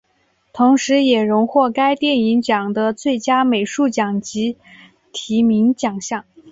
同时也荣获该电影奖的最佳美术奖及提名奖项。